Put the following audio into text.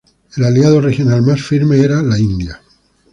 El aliado regional más firme era la India.